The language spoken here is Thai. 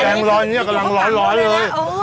แจงร้อนนี้กำลังร้อนเลย